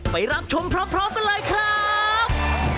ไปรับชมพร้อมกันเลยครับ